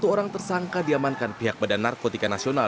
satu orang tersangka diamankan pihak badan narkotika nasional